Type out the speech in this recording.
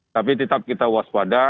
tapi tetap kita waspada